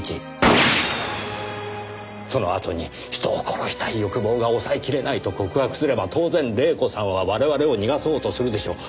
そのあとに人を殺したい欲望が抑えきれないと告白すれば当然黎子さんは我々を逃がそうとするでしょう。